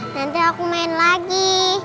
nanti aku main lagi